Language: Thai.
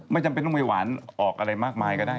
จำเป็นต้องไปหวานออกอะไรมากมายก็ได้